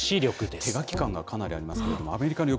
手書き感がかなりありますけれども。